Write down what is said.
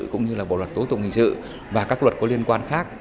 cũng như là bộ luật tố tụng hình sự và các luật có liên quan khác